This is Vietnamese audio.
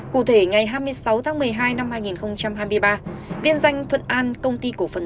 cụ thể ngày hai mươi sáu tháng một mươi hai năm hai nghìn hai mươi ba